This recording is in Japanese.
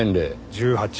１８。